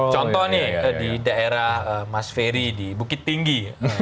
contohnya di daerah mas ferry di bukit tinggi